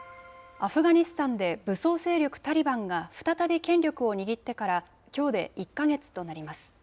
アフガニスタンで武装勢力タリバンが、再び権力を握ってからきょうで１か月となります。